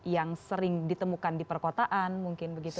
yang sering ditemukan di perkotaan mungkin begitu